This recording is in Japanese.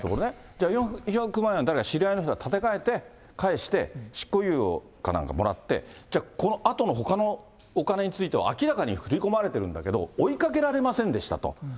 じゃあ４００万円、誰か知り合いの人が立て替えて返して、執行猶予か何かもらって、じゃあこのあとの、ほかのお金については、明らかに振り込まれてるんだけれども、追いかけられませんでしたと。